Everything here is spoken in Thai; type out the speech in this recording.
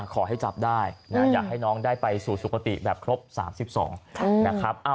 ขอให้จับได้อยากให้น้องได้ไปสู่สุขติแบบครบ๓๒นะครับ